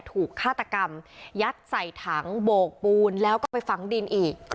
ถูกฆาตกรรมยัดใส่ถังโบกปูนแล้วก็ไปฝังดินอีก